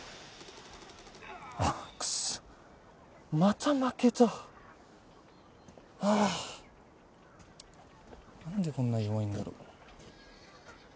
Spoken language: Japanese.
ああっクソッまた負けたああっ何でこんな弱いんだろ